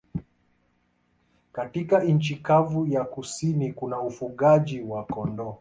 Katika nchi kavu ya kusini kuna ufugaji wa kondoo.